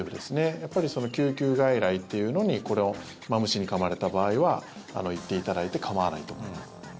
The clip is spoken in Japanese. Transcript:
やっぱり救急外来というのにマムシにかまれた場合は行っていただいて構わないと思います。